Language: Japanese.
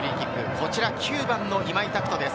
こちら９番の今井拓人です。